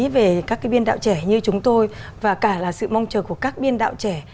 về các biên đạo trẻ như chúng tôi và cả là sự mong chờ của các biên đạo trẻ